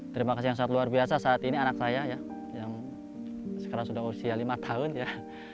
terima kasih yang sangat luar biasa saat ini anak saya ya yang sekarang sudah usia lima tahun ya